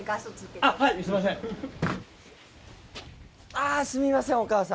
あぁすみませんお母さん。